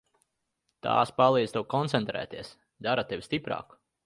Tās palīdz tev koncentrēties, dara tevi stiprāku.